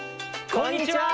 こんにちは！